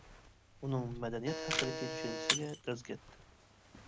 ئۇنىڭ مەدەنىيەت ھەققىدىكى چۈشەنچىسىگە دەز كەتتى.